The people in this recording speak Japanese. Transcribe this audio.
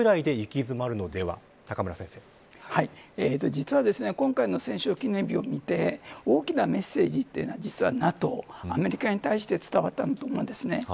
実は、今回の戦勝記念日を見て大きなメッセージというのは実はＮＡＴＯ、アメリカに対して伝わったなと思います。